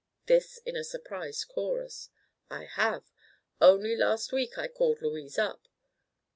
This in a surprised chorus. "I have. Only last week I called Louise up."